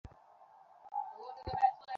কী যে সুখ লাগছে!